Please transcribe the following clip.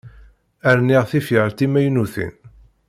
Rniɣ tifyar timaynutin.